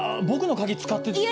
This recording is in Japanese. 僕の鍵使って。